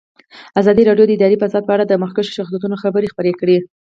ازادي راډیو د اداري فساد په اړه د مخکښو شخصیتونو خبرې خپرې کړي.